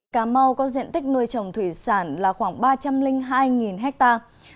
cà mau có diện tích nuôi trồng thủy sản là khoảng ba trăm linh hai hectare